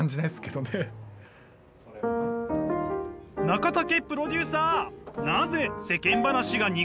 中武プロデューサー！